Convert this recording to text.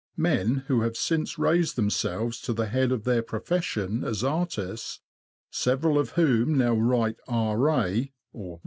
Men who have since raised themselves to the head of their profession as artists, several of whom now write R.A.